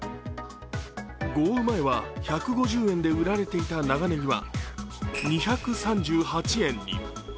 豪雨前は１５０円で売られていた長ネギは２３８円に。